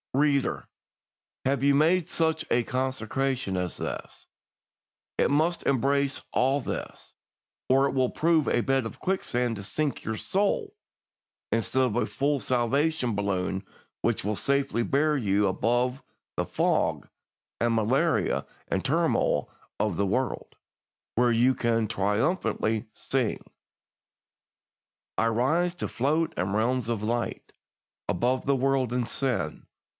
"Reader, have you made such a consecration as this? It must embrace all this, or it will prove a bed of quicksand to sink your soul, instead of a full salvation balloon, which will safely bear you above the fog and malaria and turmoil of the world, where you can triumphantly sing: "'I rise to float in realms of light, Above the world and sin.